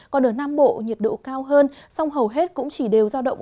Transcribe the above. còn ở nam bộ nhiệt độ cao hơn song hầu hết cũng chỉ đều giao động